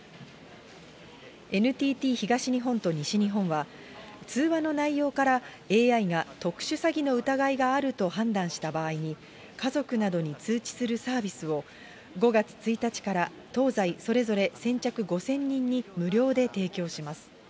ＮＴＴ東日本と西日本は、通話の内容からＡＩが特殊詐欺の疑いがあると判断した場合に家族などに通知するサービスを、５月１日から東西それぞれ先着５０００人に無料で提供します。